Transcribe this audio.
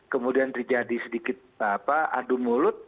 kemudian terjadi sedikit adu mulut